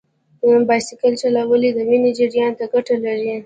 بایسکل چلول د وینې جریان ته ګټه لري.